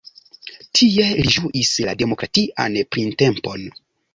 Tie li ĝuis la demokratian printempon.